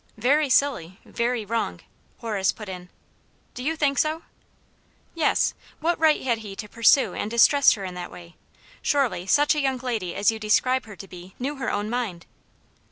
"Very silly — very wrong !" Horace put in. " Do you think so ?"" Yes ! What right had he to pursue and distress her in that way "i Surely, such a young lady as you describe her to be knew her own mind."